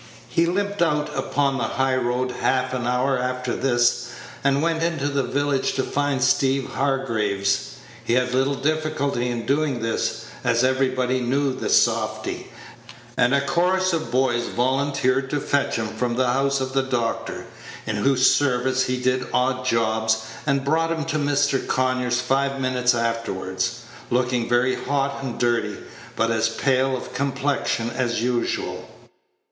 He limped out upon the high road half an hour after this, and went into the village to find Steeve Hargraves. He had little difficulty in doing this, as everybody knew the softy, and a chorus of boys volunteered to fetch him from the house of the doctor, in whose service he did odd jobs, and brought him to Mr. Conyers five minutes afterward, looking very hot and dirty, but as pale of complexion as usual.